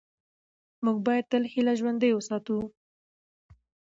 موږ باید تل هیله ژوندۍ وساتو